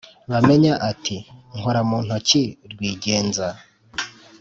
bamenya ati: “nkora mu ntoki rwigenza!